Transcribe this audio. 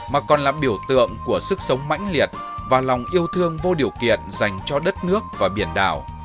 mà còn là biểu tượng của sức sống mãnh liệt và lòng yêu thương vô điều kiện dành cho đất nước và biển đảo